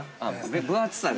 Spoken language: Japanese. ◆分厚さが。